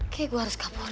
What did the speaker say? kayaknya gue harus kabur